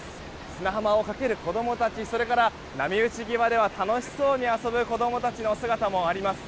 砂浜をかける子供たちそれから波打ち際では楽しそうに遊ぶ子供たちの姿もあります。